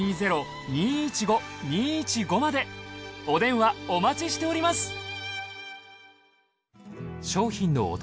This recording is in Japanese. お電話お待ちしております。